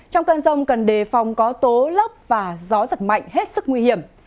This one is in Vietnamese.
trong cơn rông cần đề phòng có tố lốc và gió giật mạnh hết sức nguy hiểm